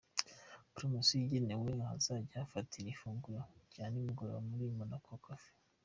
Promosiyo igenewe abazajya bafatira ifunguro rya nimugoroba muri Monaco Cafe .